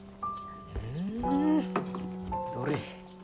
ふんどれ。